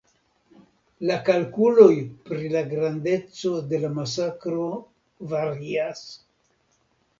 La kalkuloj pri la grandeco de la masakro varias.